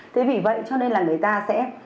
thế vì vậy cho nên là người ta sẽ